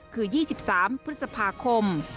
คือ๒๓พฤษภาคม